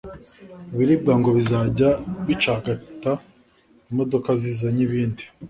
ibiribwa ngo bizajya bicagata imodoka zizanye ibindi